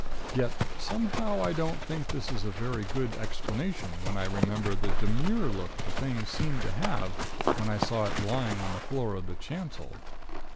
Yet, somehow I don't think this is a very good explanation, when I remember the demure look the thing seemed to have when I saw it lying on the floor of the chancel.